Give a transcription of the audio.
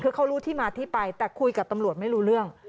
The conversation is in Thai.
คือเขารู้ที่มาที่ไปแต่คุยกับตำรวจไม่รู้เรื่อง